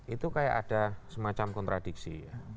itu kayak ada semacam kontradiksi